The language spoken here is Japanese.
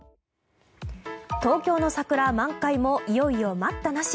東京の桜満開もいよいよ待ったなし。